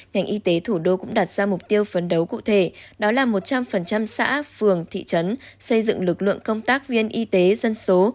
ngành y tế thủ đô cũng đặt ra mục tiêu phấn đấu cụ thể đó là một trăm linh xã phường thị trấn xây dựng lực lượng công tác viên y tế dân số